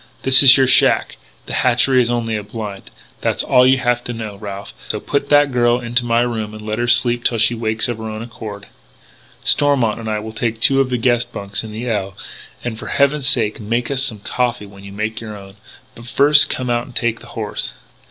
"This is your shack. The hatchery is only a blind. That's all you have to know, Ralph. So put that girl into my room and let her sleep till she wakes of her own accord. "Stormont and I will take two of the guest bunks in the L. And for heaven's sake make us some coffee when you make your own. But first come out and take the horse."